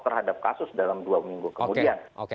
terhadap kasus dalam dua minggu kemudian